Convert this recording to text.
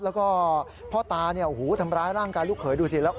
แล้วก็พ่อตาทำร้ายร่างกายลูกเขยดูสิแล้ว